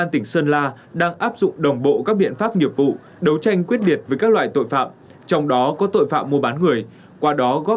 tuyên truyền ở các buổi trao cờ